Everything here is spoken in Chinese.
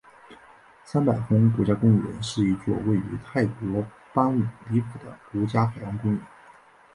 三百峰国家公园是一座位于泰国班武里府的国家海洋公园。